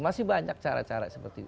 masih banyak cara cara seperti itu